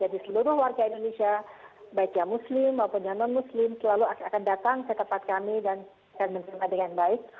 jadi seluruh warga indonesia baik yang muslim maupun yang non muslim selalu akan datang ke tempat kami dan akan bersama dengan baik